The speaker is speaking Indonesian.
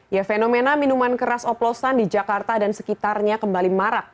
ya fenomena minuman keras oplosan di jakarta dan sekitarnya kembali marak